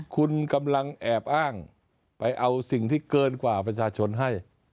คุณกำลังแอบอ้างไปเอาสิ่งที่เกินกว่าประชาชนให้